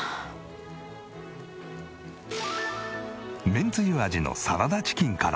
めんつゆ味のサラダチキンから。